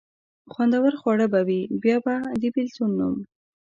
خوندور خواړه به وي، بیا به د بېلتون نوم.